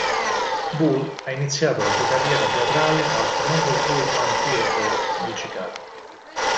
Bull ha iniziato la sua carriera teatrale al famoso Goodman Theatre di Chicago.